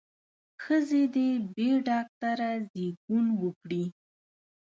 ښځې دې بې ډاکتره زېږون وکړي.